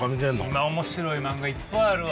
今面白い漫画いっぱいあるわ！